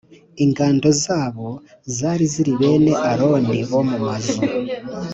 ingando zabo zari ziri bene Aroni bo mu mazu